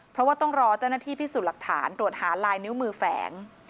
เพราะว่าต้องรอเจ้าหน้าที่พิสูจน์หลักฐานตรวจหาลายนิ้วมือแฝง